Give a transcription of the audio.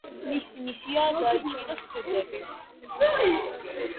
მისი მისიაა დაიჭიროს ქურდები.